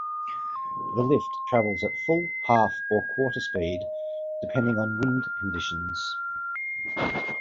The lifts travel at full, half or quarter speed, depending on wind conditions.